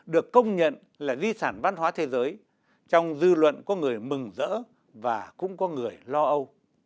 được công nhận là di sản văn hóa thế giới trong dư luận có người mừng rỡ và cũng có người lo âu